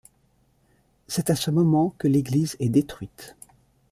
C'est à ce moment que l'église est détruite.